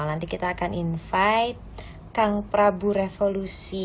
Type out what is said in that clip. nanti kita akan invite kang prabu revolusi